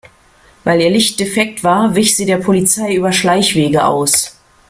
Weil ihr Licht defekt war, wich sie der Polizei über Schleichwege aus.